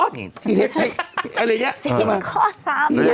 ที่เห็นอะไรอย่างนี้